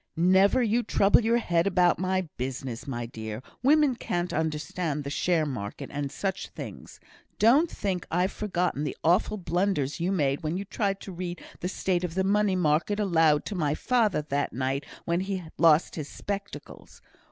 "Never you trouble your head about my business, my dear. Women can't understand the share market, and such things. Don't think I've forgotten the awful blunders you made when you tried to read the state of the money market aloud to my father, that night when he had lost his spectacles.